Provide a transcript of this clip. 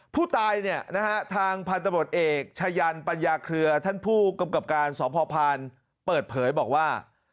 ผู้ตายเนี่ยนะฮะทางพันธบทเอกชายันปัญญาเครือท่านผู้กำกับการสพพานเปิดเผยบอกว่า